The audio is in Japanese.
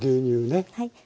はい。